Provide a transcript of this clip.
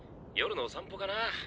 夜のお散歩かな。